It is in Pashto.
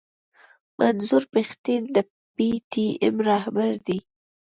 منظور پښتين د پي ټي ايم راهبر دی.